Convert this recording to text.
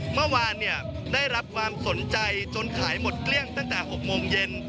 เมื่อวานได้รับความสนใจจนขายหมดเกลี้ยงตั้งแต่๖โมงเย็น